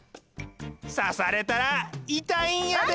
さされたらいたいんやで！